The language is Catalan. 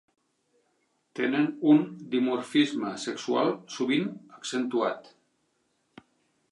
Tenen un dimorfisme sexual sovint accentuat.